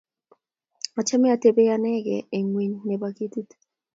Achame atebie anegei eng' ng'weny nebo ketit